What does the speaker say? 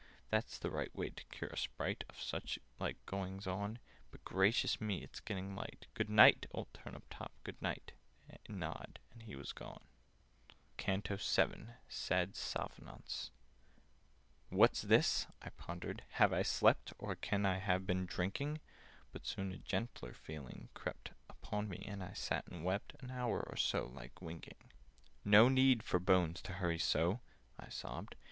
"That's the right way to cure a Sprite Of such like goings on— But gracious me! It's getting light! Good night, old Turnip top, good night!" A nod, and he was gone. [Picture: The ghost] CANTO VII Sad Souvenaunce [Picture: Or can I have been drinking] "WHAT'S this?" I pondered. "Have I slept? Or can I have been drinking?" But soon a gentler feeling crept Upon me, and I sat and wept An hour or so, like winking. "No need for Bones to hurry so!" I sobbed.